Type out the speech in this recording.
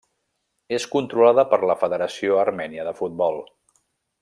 És controlada per la Federació Armènia de Futbol.